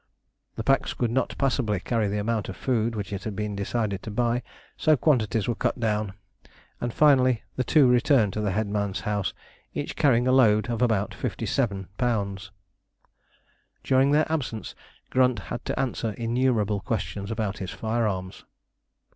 The packs could not possibly carry the amount of food which it had been decided to buy, so quantities were cut down, and finally the two returned to the headman's house, each carrying a load of about 57 lbs. During their absence Grunt had to answer innumerable questions about his firearms.